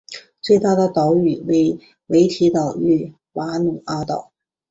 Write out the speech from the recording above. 最大的岛屿为维提岛与瓦努阿岛。